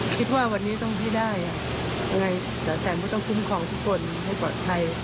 คิดว่าวันนี้ต้องที่ได้ยังไงแต่ไม่ต้องคุ้มครองทุกคนให้ปลอดภัย